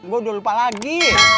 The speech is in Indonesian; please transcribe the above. gue udah lupa lagi